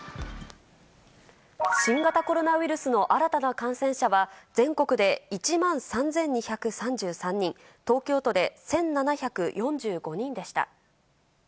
新型コロナウイルスの新たな感染者は、全国で１万３２３３人、東京都で１７４５人でした。